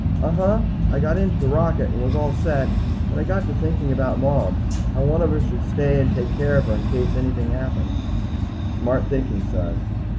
"Uh huh. I got into the rocket and was all set but I got to thinking about Mom how one of us should stay and take care of her in case anything happened." "Smart thinking, son.